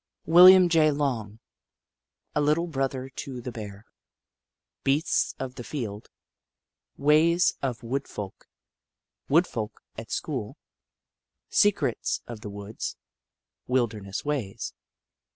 William J. Long : A Little Brother to the Bear. Beasts of the Field. Ways of Wood Folk. Wood Folk at School. Secrets of the Woods. Wilderness Ways.